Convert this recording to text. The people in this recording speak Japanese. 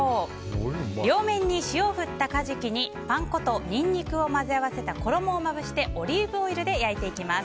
両面に塩を振ったカジキにパン粉とニンニクを混ぜ合わせた衣をまぶしてオリーブオイルで焼いていきます。